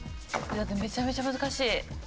めちゃめちゃ難しい。